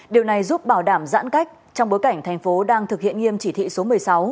điều này giúp bảo đảm giãn cách trong bối cảnh thành phố đang thực hiện nghiêm chỉ thị số một mươi sáu